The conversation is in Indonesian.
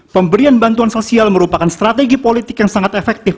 pemberian bantuan sosial merupakan strategi politik yang sangat efektif